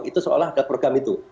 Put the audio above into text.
itu seolah ada program itu